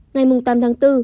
ngày tám tháng bốn